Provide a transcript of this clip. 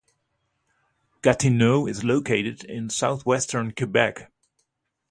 Gatineau is located in southwestern Quebec.